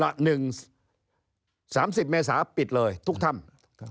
อ๋อล่ะ๑๓๐เมษาปิดเลยทุกถ้ำ